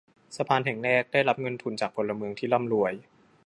สะพานแห่งแรกได้รับเงินทุนจากพลเมืองที่ร่ำรวย